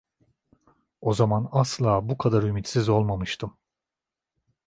O zaman asla bu kadar ümitsiz olmamıştım.